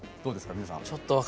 皆さん。